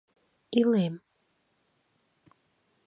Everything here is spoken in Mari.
— Илем.